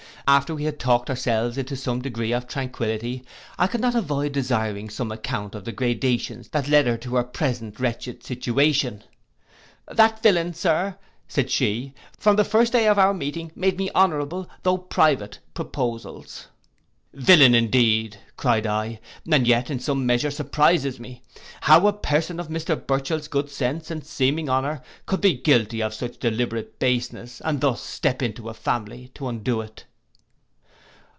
After we had talked ourselves into some degree of tranquillity, I could not avoid desiring some account of the gradations that led to her present wretched situation. 'That villain, sir,' said she, 'from the first day of our meeting made me honourable, though private, proposals.' 'Villain indeed,' cried I; 'and yet it in some measure surprizes me, how a person of Mr Burchell's good sense and seeming honour could be guilty of such deliberate baseness, and thus step into a family to undo it.